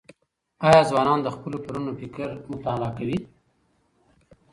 آيا ځوانان د خپلو پلرونو فکر مطالعه کوي؟